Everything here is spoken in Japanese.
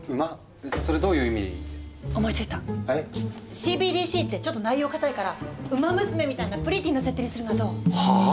ＣＢＤＣってちょっと内容固いから「ウマ娘」みたいなプリティーな設定にするのはどう？はあ？